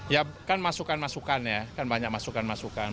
ya kan masukan masukan ya kan banyak masukan masukan